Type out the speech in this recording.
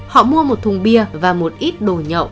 họ mua một thùng bia và một ít đồ nhậu